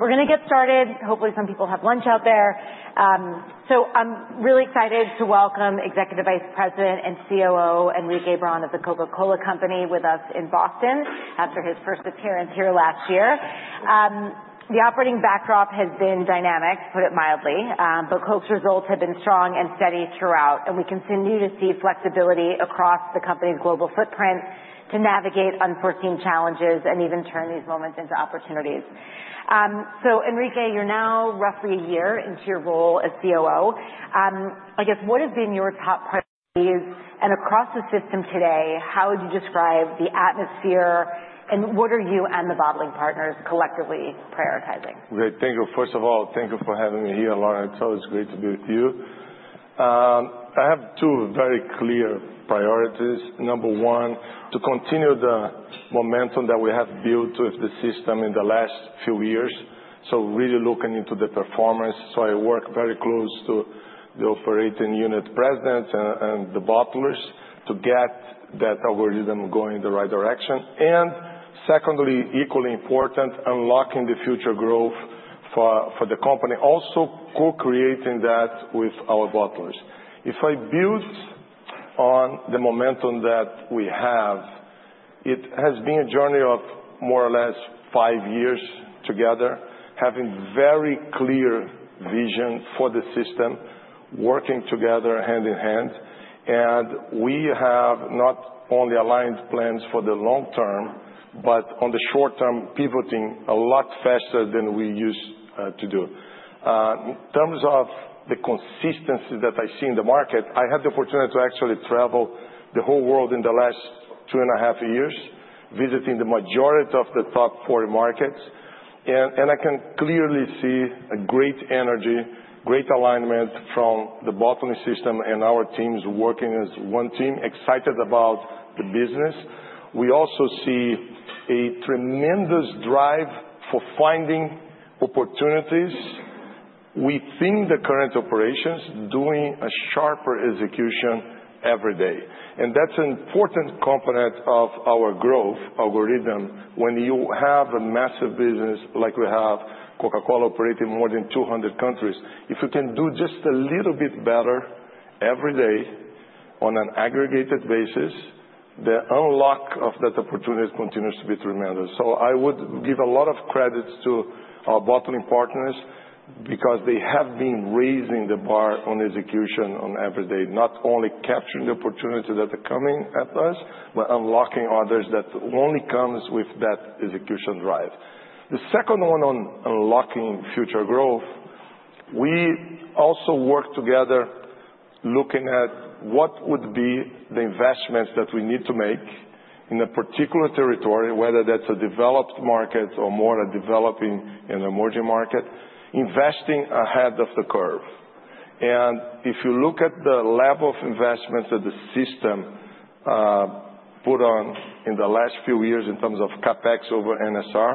We're going to get started. Hopefully, some people have lunch out there. So I'm really excited to welcome Executive Vice President and COO Henrique Braun of the Coca-Cola Company with us in Boston after his first appearance here last year. The operating backdrop has been dynamic, to put it mildly, but Coke's results have been strong and steady throughout, and we continue to see flexibility across the company's global footprint to navigate unforeseen challenges and even turn these moments into opportunities. So Henrique, you're now roughly a year into your role as COO. I guess, what have been your top priorities? And across the system today, how would you describe the atmosphere? And what are you and the bottling partners collectively prioritizing? Great. Thank you. First of all, thank you for having me here, Lauren. It's always great to be with you. I have two very clear priorities. Number one, to continue the momentum that we have built with the system in the last few years. So really looking into the performance. So I work very close to the operating unit presidents and the bottlers to get that algorithm going in the right direction. And secondly, equally important, unlocking the future growth for the company, also co-creating that with our bottlers. If I build on the momentum that we have, it has been a journey of more or less five years together, having very clear vision for the system, working together hand in hand. And we have not only aligned plans for the long term, but on the short term, pivoting a lot faster than we used to do. In terms of the consistency that I see in the market, I had the opportunity to actually travel the whole world in the last two and a half years, visiting the majority of the top four markets, and I can clearly see a great energy, great alignment from the bottling system and our teams working as one team, excited about the business. We also see a tremendous drive for finding opportunities. Within the current operations, doing a sharper execution every day, and that's an important component of our growth algorithm. When you have a massive business, like we have Coca-Cola operating in more than 200 countries, if you can do just a little bit better every day on an aggregated basis, the unlock of that opportunity continues to be tremendous. So I would give a lot of credit to our bottling partners because they have been raising the bar on execution on every day, not only capturing the opportunity that are coming at us, but unlocking others that only come with that execution drive. The second one on unlocking future growth, we also work together looking at what would be the investments that we need to make in a particular territory, whether that's a developed market or more a developing and emerging market, investing ahead of the curve, and if you look at the level of investments that the system put on in the last few years in terms of CapEx over NSR,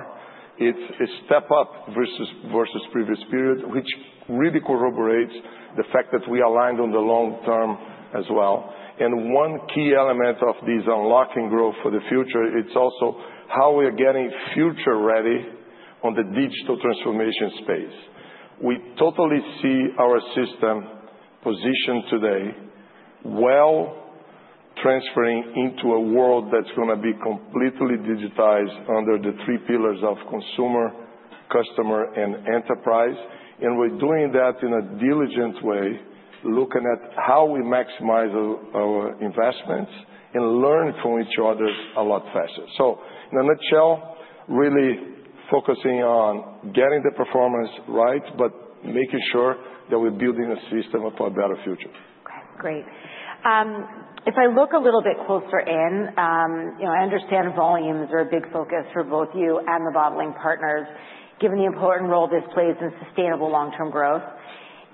it's a step up versus previous period, which really corroborates the fact that we aligned on the long term as well. And one key element of this unlocking growth for the future, it's also how we are getting future ready on the digital transformation space. We totally see our system positioned today well transferring into a world that's going to be completely digitized under the three pillars of consumer, customer, and enterprise. And we're doing that in a diligent way, looking at how we maximize our investments and learn from each other a lot faster. So in a nutshell, really focusing on getting the performance right, but making sure that we're building a system for a better future. Okay. Great. If I look a little bit closer in, I understand volumes are a big focus for both you and the bottling partners, given the important role this plays in sustainable long-term growth.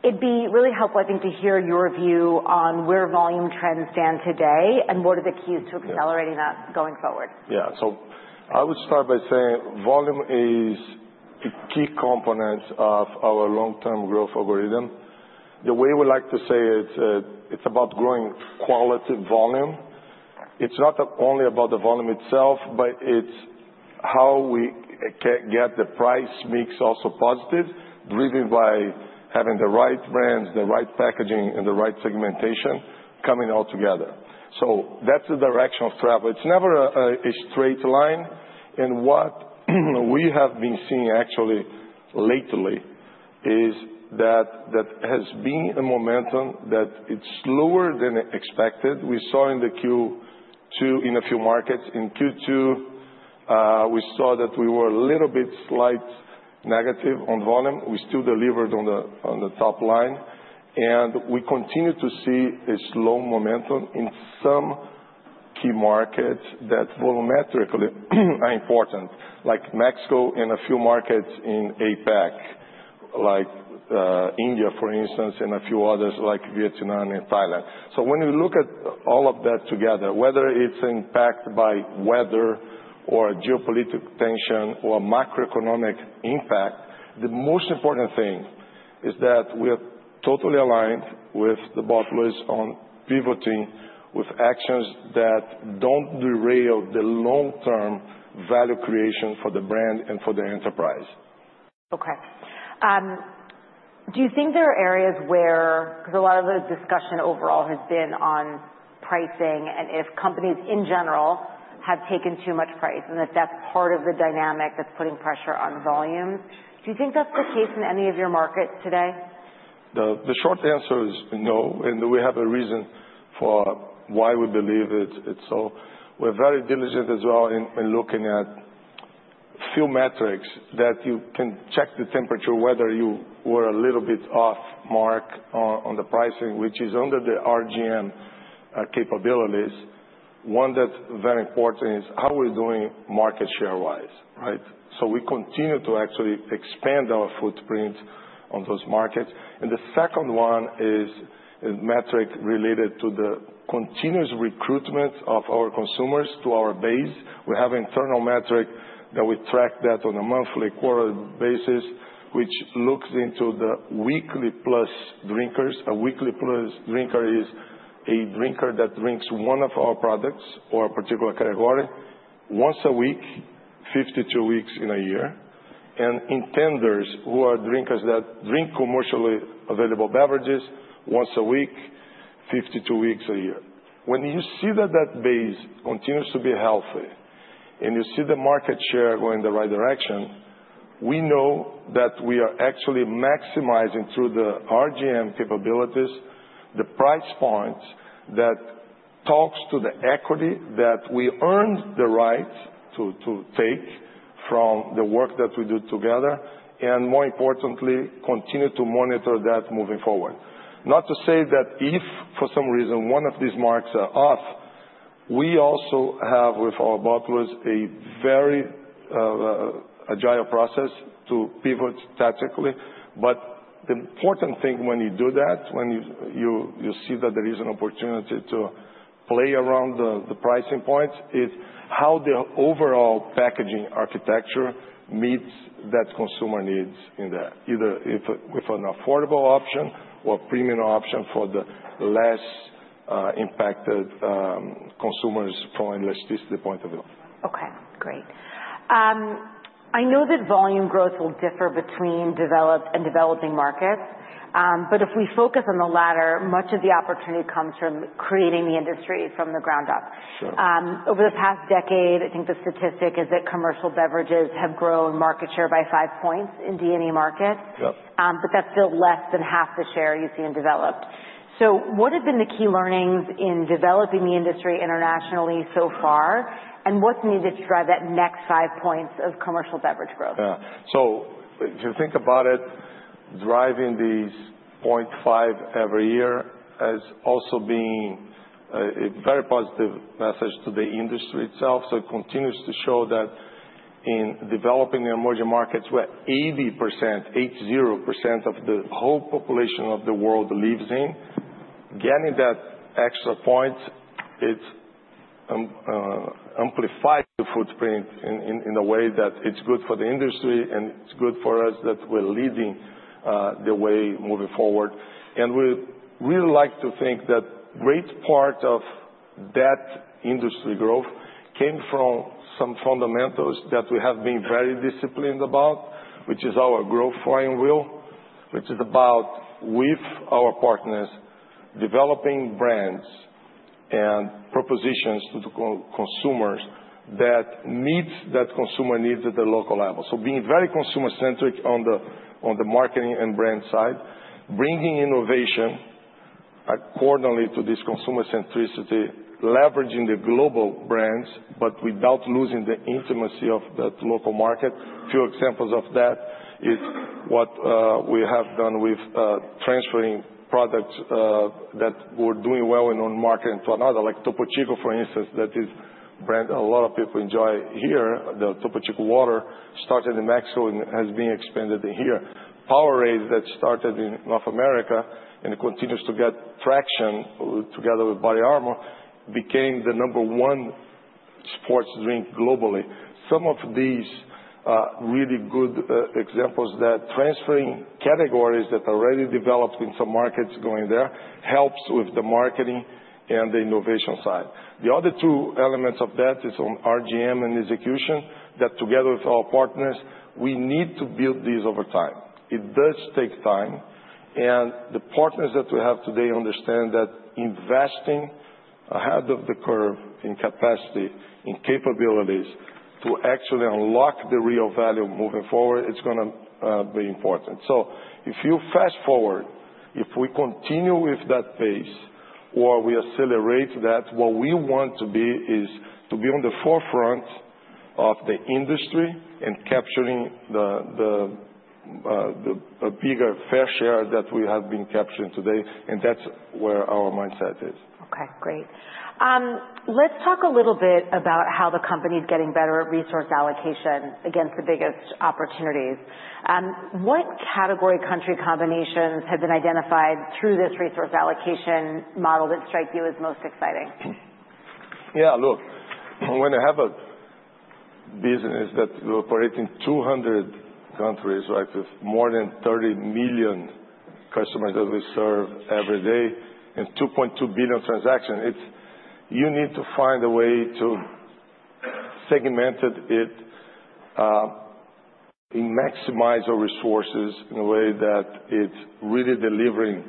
It'd be really helpful, I think, to hear your view on where volume trends stand today and what are the keys to accelerating that going forward. Yeah. So I would start by saying volume is a key component of our long-term growth algorithm. The way we like to say it, it's about growing quality volume. It's not only about the volume itself, but it's how we get the price mix also positive, driven by having the right brands, the right packaging, and the right segmentation coming all together. So that's the direction of travel. It's never a straight line. And what we have been seeing actually lately is that there has been a momentum that it's slower than expected. We saw in the Q2 in a few markets. In Q2, we saw that we were a little bit slight negative on volume. We still delivered on the top line. We continue to see a slow momentum in some key markets that volumetrically are important, like Mexico and a few markets in APAC, like India, for instance, and a few others like Vietnam and Thailand. When you look at all of that together, whether it's impacted by weather or geopolitical tension or macroeconomic impact, the most important thing is that we are totally aligned with the bottlers on pivoting with actions that don't derail the long-term value creation for the brand and for the enterprise. Okay. Do you think there are areas where, because a lot of the discussion overall has been on pricing and if companies in general have taken too much price and that that's part of the dynamic that's putting pressure on volumes, do you think that's the case in any of your markets today? The short answer is no, and we have a reason for why we believe it, so we're very diligent as well in looking at a few metrics that you can check the temperature, whether you were a little bit off mark on the pricing, which is under the RGM capabilities. One that's very important is how we're doing market share-wise, so we continue to actually expand our footprint on those markets, and the second one is a metric related to the continuous recruitment of our consumers to our base. We have an internal metric that we track that on a monthly quarterly basis, which looks into the weekly plus drinkers. A weekly plus drinker is a drinker that drinks one of our products or a particular category once a week, 52 weeks in a year. And Intenders who are drinkers that drink commercially available beverages once a week, 52 weeks a year. When you see that that base continues to be healthy and you see the market share going in the right direction, we know that we are actually maximizing through the RGM capabilities the price points that talk to the equity that we earned the right to take from the work that we do together. And more importantly, continue to monitor that moving forward. Not to say that if for some reason one of these marks are off, we also have with our bottlers a very agile process to pivot tactically. But the important thing when you do that, when you see that there is an opportunity to play around the pricing points, is how the overall packaging architecture meets that consumer needs in that, either with an affordable option or a premium option for the less impacted consumers from an elasticity point of view. Okay. Great. I know that volume growth will differ between developed and developing markets. But if we focus on the latter, much of the opportunity comes from creating the industry from the ground up. Over the past decade, I think the statistic is that commercial beverages have grown market share by five points in D&E markets. But that's still less than half the share you see in developed. So what have been the key learnings in developing the industry internationally so far? And what's needed to drive that next five points of commercial beverage growth? Yeah. So if you think about it, driving these 0.5 every year has also been a very positive message to the industry itself. So it continues to show that in developing and emerging markets, where 80%, 80% of the whole population of the world lives in, getting that extra point, it's amplified the footprint in a way that it's good for the industry and it's good for us that we're leading the way moving forward. And we really like to think that a great part of that industry growth came from some fundamentals that we have been very disciplined about, which is our growth flywheel, which is about with our partners developing brands and propositions to the consumers that meet that consumer needs at the local level. So, being very consumer-centric on the marketing and brand side, bringing innovation accordingly to this consumer-centricity, leveraging the global brands, but without losing the intimacy of that local market. A few examples of that is what we have done with transferring products that were doing well in one market to another, like Topo Chico, for instance, that is a brand a lot of people enjoy here. The Topo Chico water started in Mexico and has been expanded here. POWERADE that started in North America and continues to get traction together with BODYARMOR became the number one sports drink globally. Some of these really good examples that transferring categories that are already developed in some markets going there helps with the marketing and the innovation side. The other two elements of that is on RGM and execution that together with our partners, we need to build these over time. It does take time. And the partners that we have today understand that investing ahead of the curve in capacity, in capabilities to actually unlock the real value moving forward, it's going to be important. So if you fast forward, if we continue with that pace or we accelerate that, what we want to be is to be on the forefront of the industry and capturing a bigger fair share that we have been capturing today. And that's where our mindset is. Okay. Great. Let's talk a little bit about how the company is getting better at resource allocation against the biggest opportunities. What category country combinations have been identified through this resource allocation model that strike you as most exciting? Yeah. Look, when you have a business that's operating in 200 countries, right, with more than 30 million customers that we serve every day and 2.2 billion transactions, you need to find a way to segment it and maximize our resources in a way that it's really delivering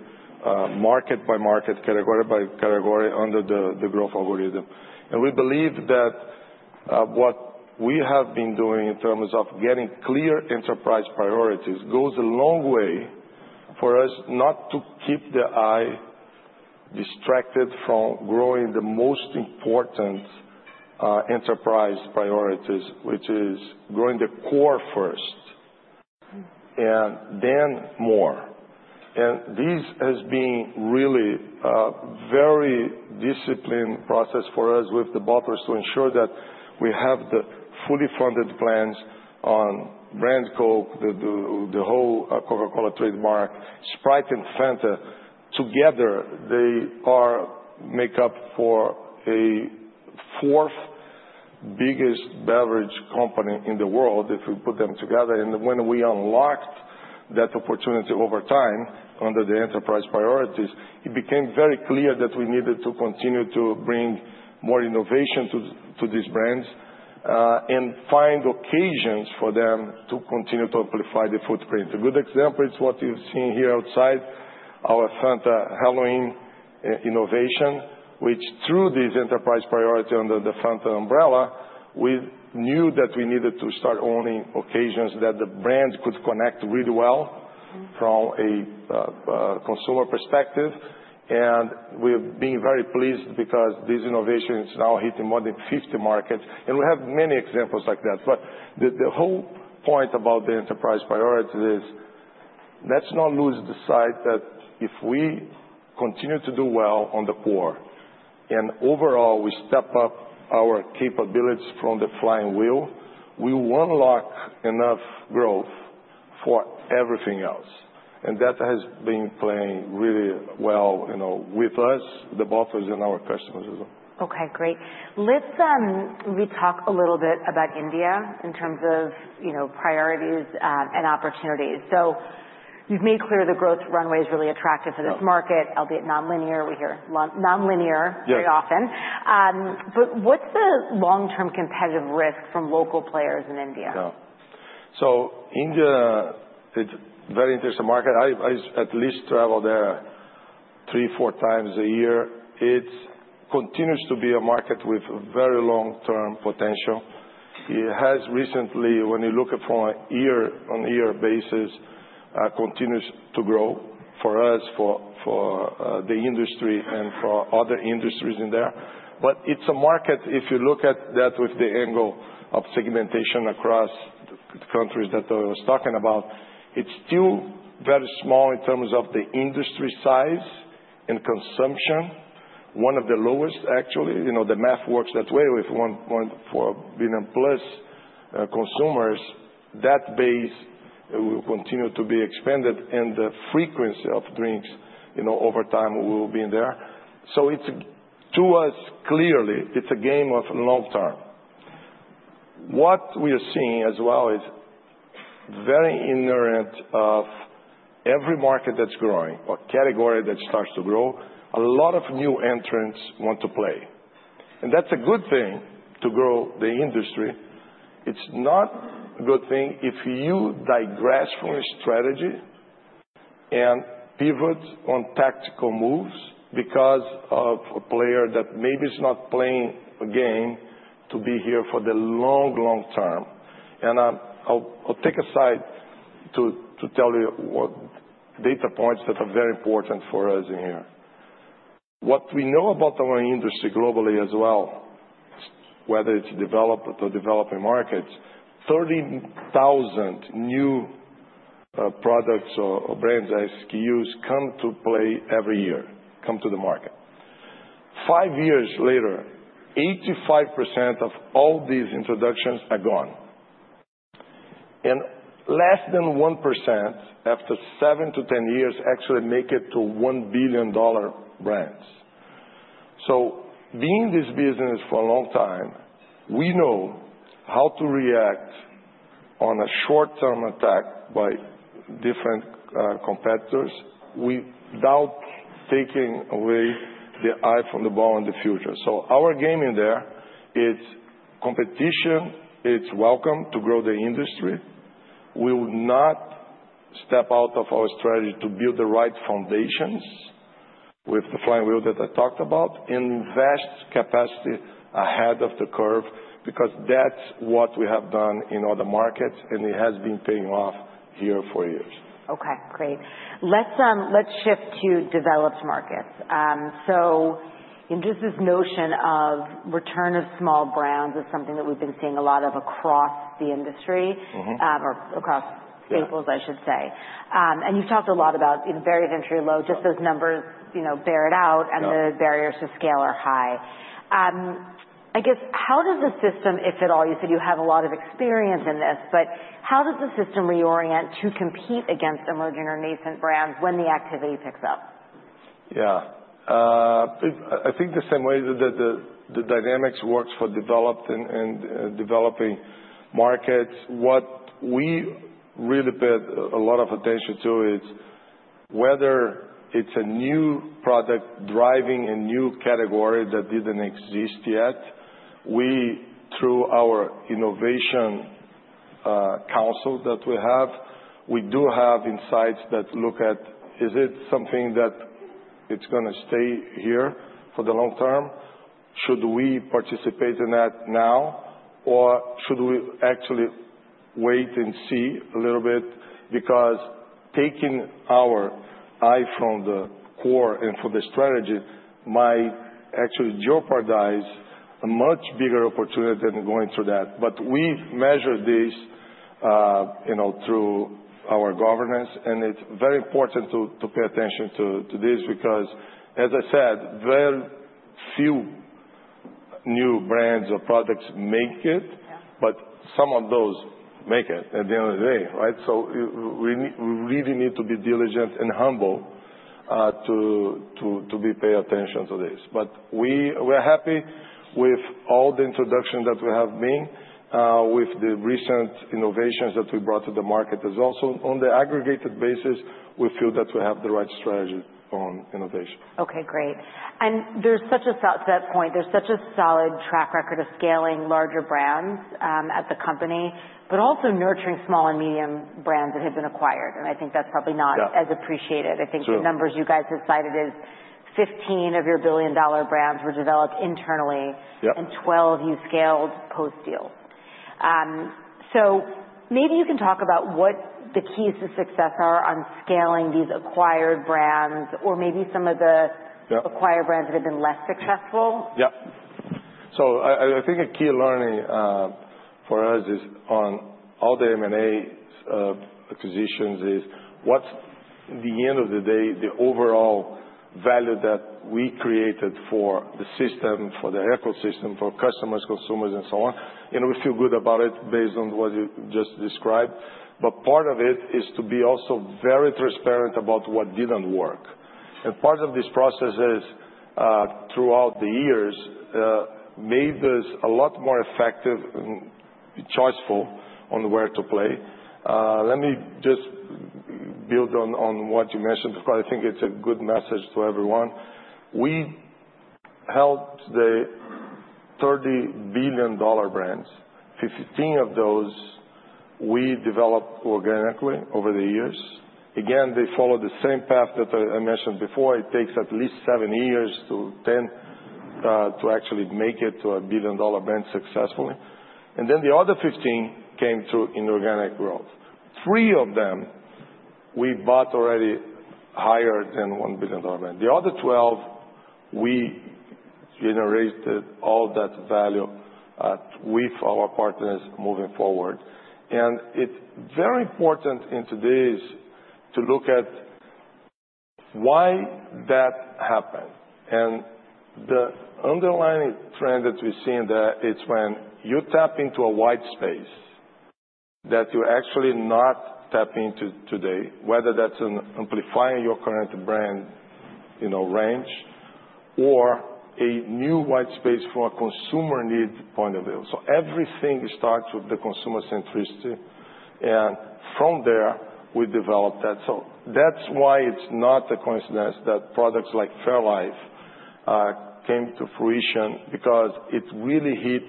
market by market, category by category under the growth algorithm. And we believe that what we have been doing in terms of getting clear enterprise priorities goes a long way for us not to keep the eye distracted from growing the most important enterprise priorities, which is growing the core first and then more. And this has been really a very disciplined process for us with the bottlers to ensure that we have the fully funded plans on brand Coke, the whole Coca-Cola trademark, Sprite and Fanta together. They make up the fourth biggest beverage company in the world if we put them together. When we unlocked that opportunity over time under the enterprise priorities, it became very clear that we needed to continue to bring more innovation to these brands and find occasions for them to continue to amplify the footprint. A good example is what you've seen here outside, our Fanta Halloween innovation, which through this enterprise priority under the Fanta umbrella, we knew that we needed to start owning occasions that the brand could connect really well from a consumer perspective. We've been very pleased because this innovation is now hitting more than 50 markets. We have many examples like that. The whole point about the enterprise priorities is let's not lose sight that if we continue to do well on the core and overall we step up our capabilities from the flywheel, we will unlock enough growth for everything else. That has been playing really well with us, the bottlers, and our customers as well. Okay. Great. Let's maybe talk a little bit about India in terms of priorities and opportunities. So you've made clear the growth runway is really attractive for this market, albeit non-linear. We hear non-linear very often. But what's the long-term competitive risk from local players in India? Yeah. So India, it's a very interesting market. I at least travel there three, four times a year. It continues to be a market with very long-term potential. It has recently, when you look at from a year-on-year basis, continues to grow for us, for the industry, and for other industries in there. But it's a market, if you look at that with the angle of segmentation across the countries that I was talking about, it's still very small in terms of the industry size and consumption, one of the lowest actually. The math works with 1.4 billion plus consumers, that base will continue to be expanded. And the frequency of drinks over time will be there. So to us, clearly, it's a game of long term. What we are seeing as well is very inherent of every market that's growing or category that starts to grow. A lot of new entrants want to play. And that's a good thing to grow the industry. It's not a good thing if you digress from your strategy and pivot on tactical moves because of a player that maybe is not playing a game to be here for the long, long term. And I'll take aside to tell you data points that are very important for us in here. What we know about our industry globally as well, whether it's developed or developing markets, 30,000 new products or brands as CEOs come to play every year come to the market. Five years later, 85% of all these introductions are gone. And less than 1% after 7 to 10 years actually make it to $1 billion brands. Being in this business for a long time, we know how to react to a short-term attack by different competitors without taking the eye off the ball in the future. Our game in there is competition. It's welcome to grow the industry. We will not step out of our strategy to build the right foundations with the flywheel that I talked about and invest capacity ahead of the curve because that's what we have done in other markets. And it has been paying off here for years. Okay. Great. Let's shift to developed markets. So just this notion of return of small brands is something that we've been seeing a lot of across the industry or across staples, I should say. And you've talked a lot about barrier to entry low. Just those numbers bear it out. And the barriers to scale are high. I guess how does the system, if at all, you said you have a lot of experience in this, but how does the system reorient to compete against emerging or nascent brands when the activity picks up? Yeah. I think the same way that the dynamics works for developed and developing markets. What we really pay a lot of attention to is whether it's a new product driving a new category that didn't exist yet. We, through our innovation council that we have, we do have insights that look at, is it something that it's going to stay here for the long term? Should we participate in that now? Or should we actually wait and see a little bit? Because taking our eye from the core and from the strategy might actually jeopardize a much bigger opportunity than going through that. But we've measured this through our governance. And it's very important to pay attention to this because, as I said, very few new brands or products make it. But some of those make it at the end of the day, right? So we really need to be diligent and humble to pay attention to this. But we are happy with all the introductions that we have been with the recent innovations that we brought to the market as well. So on the aggregated basis, we feel that we have the right strategy on innovation. Okay. Great. And there's such a sweet spot. There's such a solid track record of scaling larger brands at the company, but also nurturing small and medium brands that have been acquired. And I think that's probably not as appreciated. I think the numbers you guys have cited is 15 of your billion-dollar brands were developed internally and 12 you scaled post-deal. So maybe you can talk about what the keys to success are on scaling these acquired brands or maybe some of the acquired brands that have been less successful. Yeah, so I think a key learning for us is, on all the M&A acquisitions, what's the end of the day, the overall value that we created for the system, for the ecosystem, for customers, consumers, and so on, and we feel good about it based on what you just described, but part of it is to be also very transparent about what didn't work, and part of this processes throughout the years made us a lot more effective and choiceful on where to play. Let me just build on what you mentioned because I think it's a good message to everyone. We helped the $30 billion brands. 15 of those we developed organically over the years. Again, they followed the same path that I mentioned before. It takes at least seven years to 10 to actually make it to a billion-dollar brand successfully. And then the other 15 came through inorganic growth. Three of them we bought already higher than $1 billion brand. The other 12, we generated all that value with our partners moving forward. And it's very important in today's to look at why that happened. And the underlying trend that we've seen that it's when you tap into a white space that you're actually not tapping into today, whether that's amplifying your current brand range or a new white space from a consumer need point of view. So everything starts with the consumer centricity. And from there, we developed that. So that's why it's not a coincidence that products like fairlife came to fruition because it really hit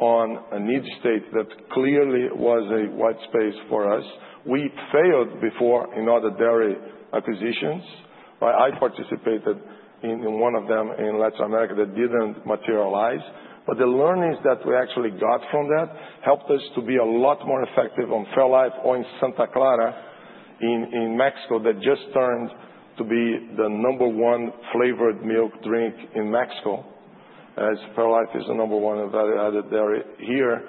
on a need state that clearly was a white space for us. We failed before in other dairy acquisitions. I participated in one of them in Latin America that didn't materialize. But the learnings that we actually got from that helped us to be a lot more effective on fairlife, or in Santa Clara in Mexico that just turned out to be the number one flavored milk drink in Mexico as fairlife is the number one of other dairy here.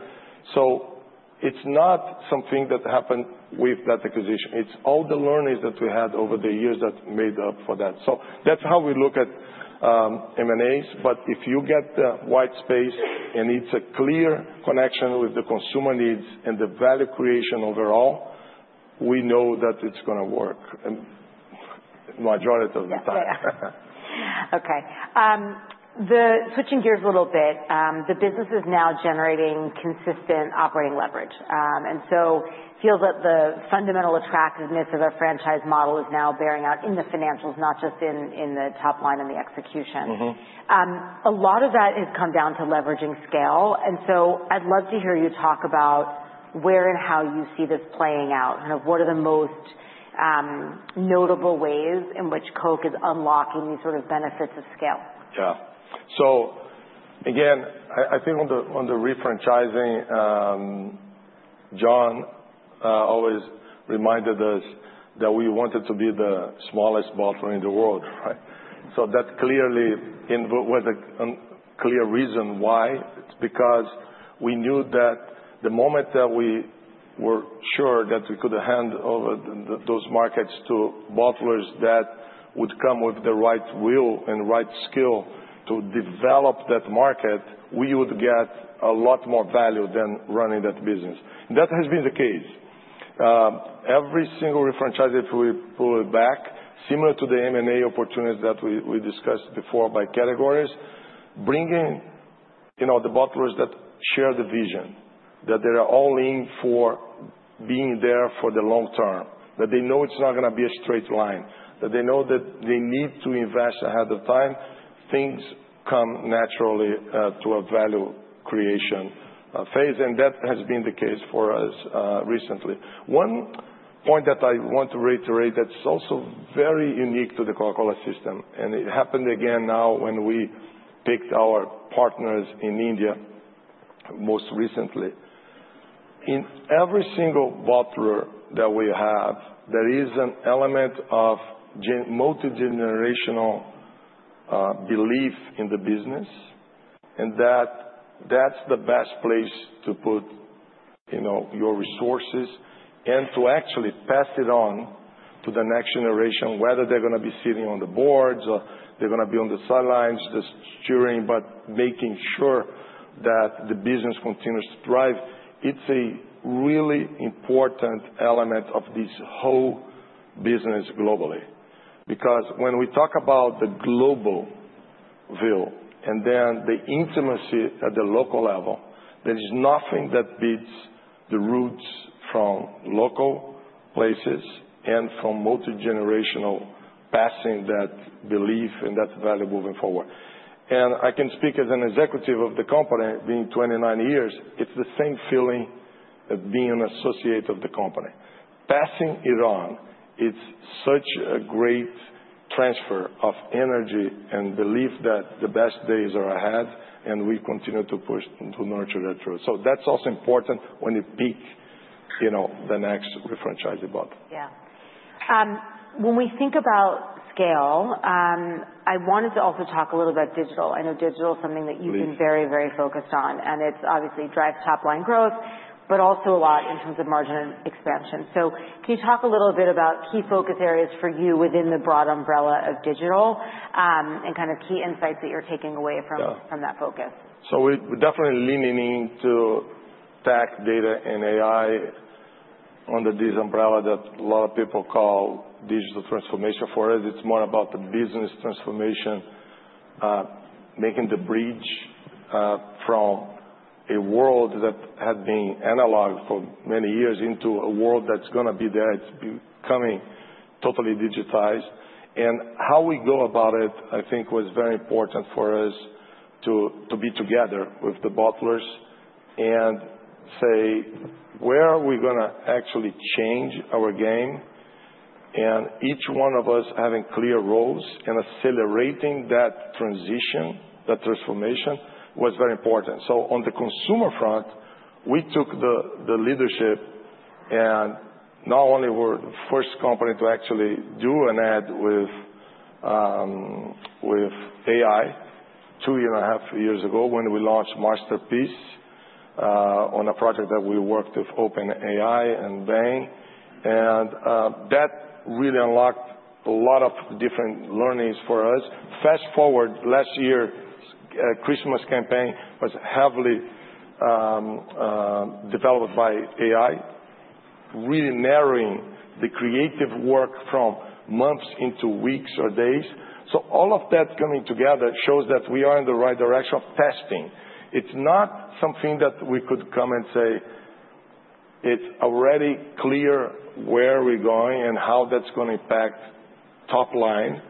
So it's not something that happened with that acquisition. It's all the learnings that we had over the years that made up for that. So that's how we look at M&As. But if you get the white space and it's a clear connection with the consumer needs and the value creation overall, we know that it's going to work majority of the time. Okay. Switching gears a little bit, the business is now generating consistent operating leverage. And so it feels that the fundamental attractiveness of a franchise model is now bearing out in the financials, not just in the top line and the execution. A lot of that has come down to leveraging scale. And so I'd love to hear you talk about where and how you see this playing out. Kind of what are the most notable ways in which Coke is unlocking these sort of benefits of scale? Yeah. So again, I think on the refranchising, John always reminded us that we wanted to be the smallest bottler in the world, right? So that clearly was a clear reason why. It's because we knew that the moment that we were sure that we could hand over those markets to bottlers that would come with the right will and right skill to develop that market, we would get a lot more value than running that business. And that has been the case. Every single refranchise, if we pull it back, similar to the M&A opportunities that we discussed before by categories, bringing the bottlers that share the vision that they're all in for being there for the long term, that they know it's not going to be a straight line, that they know that they need to invest ahead of time, things come naturally to a value creation phase. And that has been the case for us recently. One point that I want to reiterate that's also very unique to the Coca-Cola system. And it happened again now when we picked our partners in India most recently. In every single bottler that we have, there is an element of multi-generational belief in the business. And that's the best place to put your resources and to actually pass it on to the next generation, whether they're going to be sitting on the boards or they're going to be on the sidelines, just cheering, but making sure that the business continues to thrive. It's a really important element of this whole business globally. Because when we talk about the global view and then the intimacy at the local level, there is nothing that beats the roots from local places and from multi-generational passing that belief and that value moving forward. I can speak as an executive of the company for 29 years. It's the same feeling of being an associate of the company. Passing it on, it's such a great transfer of energy and belief that the best days are ahead. We continue to push to nurture that growth. That's also important when you pick the next refranchising bottler. Yeah. When we think about scale, I wanted to also talk a little bit about digital. I know digital is something that you've been very, very focused on. And it's obviously drives top line growth, but also a lot in terms of margin expansion. So can you talk a little bit about key focus areas for you within the broad umbrella of digital and kind of key insights that you're taking away from that focus? So we're definitely leaning into tech, data, and AI under this umbrella that a lot of people call digital transformation for us. It's more about the business transformation, making the bridge from a world that had been analog for many years into a world that's going to be there. It's becoming totally digitized, and how we go about it, I think, was very important for us to be together with the bottlers and say, where are we going to actually change our game, and each one of us having clear roles and accelerating that transition, that transformation was very important, so on the consumer front, we took the leadership, and not only were the first company to actually do an ad with AI two and a half years ago when we launched Masterpiece on a project that we worked with OpenAI and Bain. And that really unlocked a lot of different learnings for us. Fast forward, last year, Christmas campaign was heavily developed by AI, really narrowing the creative work from months into weeks or days. So all of that coming together shows that we are in the right direction of testing. It's not something that we could come and say, it's already clear where we're going and how that's going to impact top line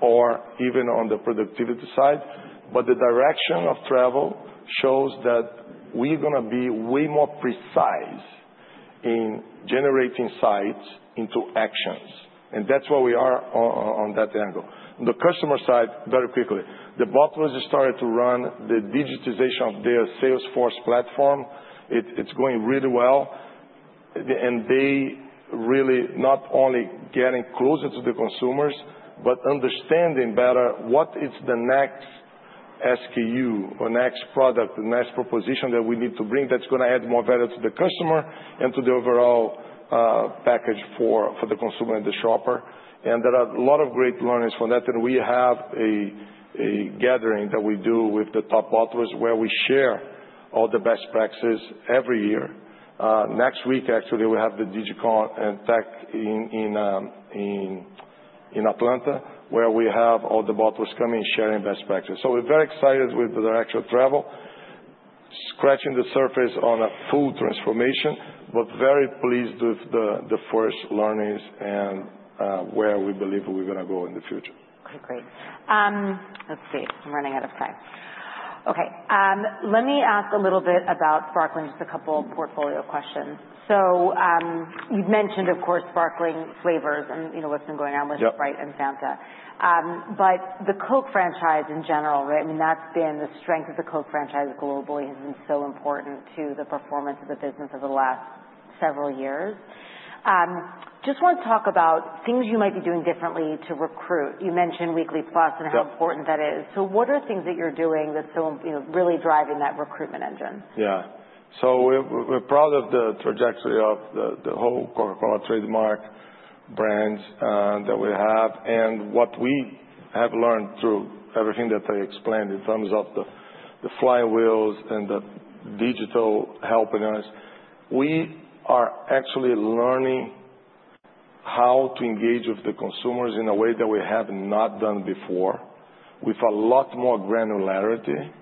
or even on the productivity side. But the direction of travel shows that we're going to be way more precise in generating insights into actions. And that's where we are on that angle. On the customer side, very quickly, the bottlers started to run the digitization of their Salesforce platform. It's going really well. And they really not only getting closer to the consumers, but understanding better what is the next SKU or next product, the next proposition that we need to bring that's going to add more value to the customer and to the overall package for the consumer and the shopper. And there are a lot of great learnings from that. And we have a gathering that we do with the top bottlers where we share all the best practices every year. Next week, actually, we have the Digicon and Tech in Atlanta where we have all the bottlers coming and sharing best practices. So we're very excited with the direction of travel, scratching the surface on a full transformation, but very pleased with the first learnings and where we believe we're going to go in the future. Okay. Great. Let's see. I'm running out of time. Okay. Let me ask a little bit about Sparkling, just a couple of portfolio questions. So you've mentioned, of course, Sparkling flavors and what's been going on with Sprite and Fanta. But the Coke franchise in general, right? I mean, that's been the strength of the Coke franchise globally has been so important to the performance of the business over the last several years. Just want to talk about things you might be doing differently to recruit. You mentioned Weekly Plus and how important that is. So what are things that you're doing that's really driving that recruitment engine? Yeah. So we're proud of the trajectory of the whole Coca-Cola trademark brands that we have. And what we have learned through everything that I explained in terms of the flywheels and the digital helping us, we are actually learning how to engage with the consumers in a way that we have not done before with a lot more granularity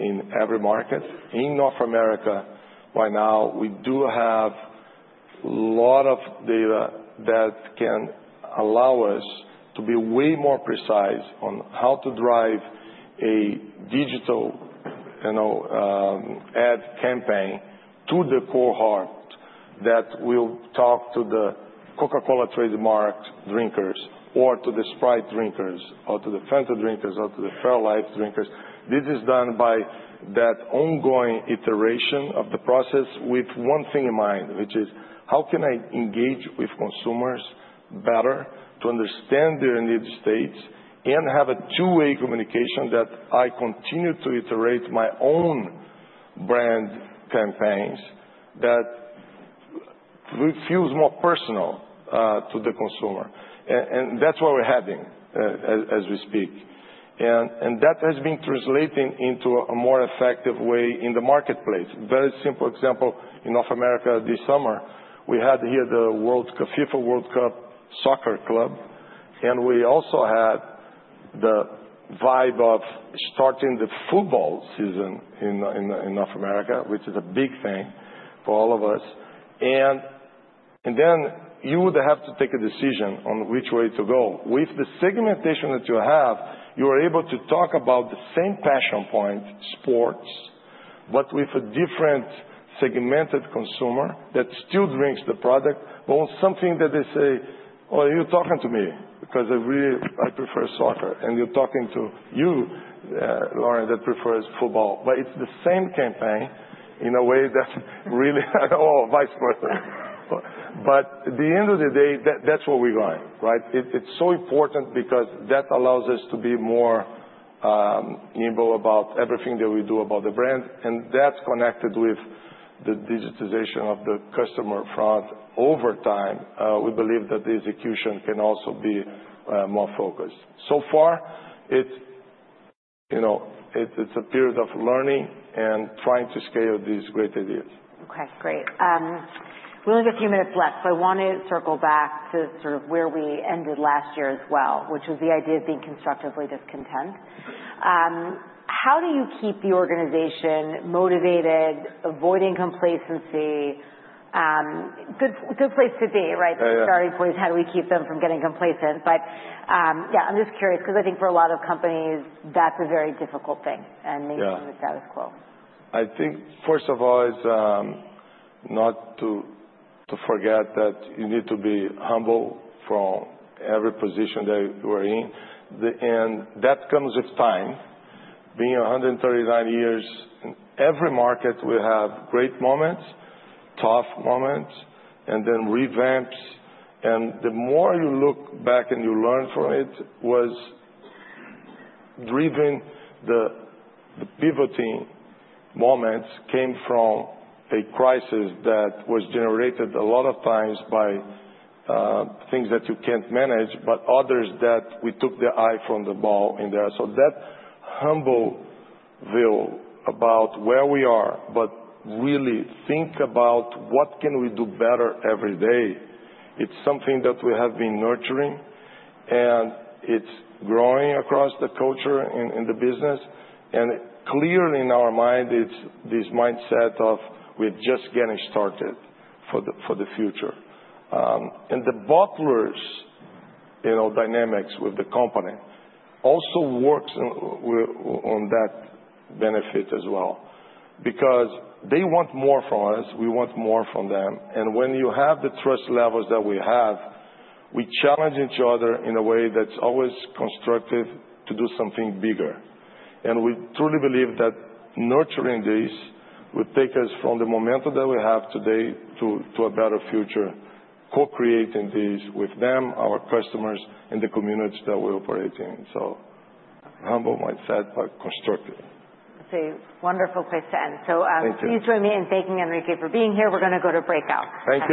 in every market. In North America right now, we do have a lot of data that can allow us to be way more precise on how to drive a digital ad campaign to the core heart that will talk to the Coca-Cola trademark drinkers or to the Sprite drinkers or to the Fanta drinkers or to the fairlife drinkers. This is done by that ongoing iteration of the process with one thing in mind, which is how can I engage with consumers better to understand their need states and have a two-way communication that I continue to iterate my own brand campaigns that feels more personal to the consumer, and that's what we're having as we speak, and that has been translating into a more effective way in the marketplace. Very simple example, in North America this summer, we had the FIFA World Cup, and we also had the vibe of starting the football season in North America, which is a big thing for all of us, and then you would have to take a decision on which way to go. With the segmentation that you have, you are able to talk about the same passion point, sports, but with a different segmented consumer that still drinks the product. Well, something that they say, oh, are you talking to me? Because I prefer soccer. And you're talking to you, Lauren, that prefers football. But it's the same campaign in a way that really, oh, vice versa. But at the end of the day, that's where we're going, right? It's so important because that allows us to be more nimble about everything that we do about the brand. And that's connected with the digitization of the customer front over time. We believe that the execution can also be more focused. So far, it's a period of learning and trying to scale these great ideas. Okay. Great. Really with a few minutes left, I want to circle back to sort of where we ended last year as well, which was the idea of being constructively discontent. How do you keep the organization motivated, avoiding complacency? Good place to be, right? The starting point is how do we keep them from getting complacent? But yeah, I'm just curious because I think for a lot of companies, that's a very difficult thing and maintain the status quo. I think first of all, it's not to forget that you need to be humble from every position that you are in, and that comes with time. Being 139 years, in every market, we have great moments, tough moments, and then revamps, and the more you look back and you learn from it was driven the pivoting moments came from a crisis that was generated a lot of times by things that you can't manage, but others that we took the eye off the ball in there, so that humble view about where we are, but really think about what can we do better every day. It's something that we have been nurturing, and it's growing across the culture in the business, and clearly in our mind, it's this mindset of we're just getting started for the future. And the bottlers' dynamics with the company also works on that benefit as well. Because they want more from us. We want more from them. And when you have the trust levels that we have, we challenge each other in a way that's always constructive to do something bigger. And we truly believe that nurturing this would take us from the momentum that we have today to a better future, co-creating this with them, our customers, and the communities that we operate in. So humble mindset, but constructive. That's a wonderful place to end. So please join me in thanking Henrique for being here. We're going to go to breakout. Thank you.